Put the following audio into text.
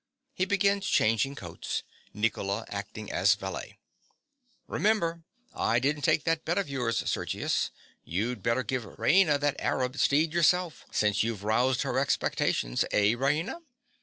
(He begins changing coats, Nicola acting as valet.) Remember: I didn't take that bet of yours, Sergius. You'd better give Raina that Arab steed yourself, since you've roused her expectations. Eh, Raina?